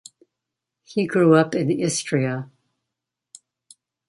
He grew up in Istria.